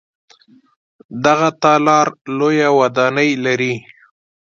دغه تالار لویه ودانۍ لري.